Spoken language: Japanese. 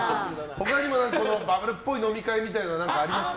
他にもバブルっぽい飲み会みたいなのはありました？